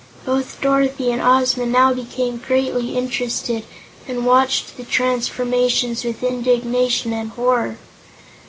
Both Dorothy and Ozma now became greatly interested and watched the transformations with indignation and horror.